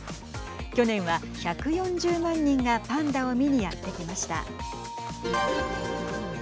去年は１４０万人がパンダを見にやって来ました。